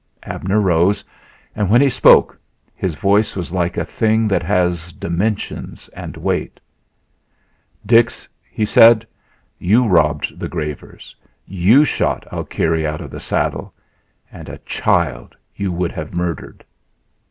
Abner rose. And when he spoke his voice was like a thing that has dimensions and weight. "Dix," he said, "you robbed the grazers; you shot Alkire out of his saddle; and a child you would have murdered!"